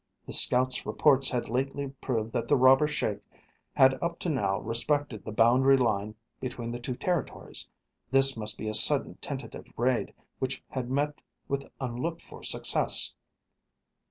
The scout's reports had lately proved that the robber Sheik had up to now respected the boundary line between the two territories. This must be a sudden tentative raid which had met with unlooked for success.